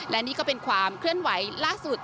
และนี่ก็เป็นความเคลื่อนไหวล่าสุด